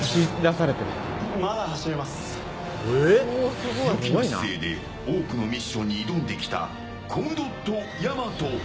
強気な姿勢で多くのミッションに挑んできたコムドットやまと。